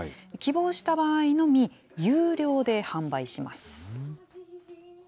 希望した場合のみ、有料で販売します。